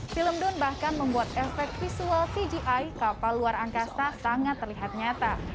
film don bahkan membuat efek visual cgi kapal luar angkasa sangat terlihat nyata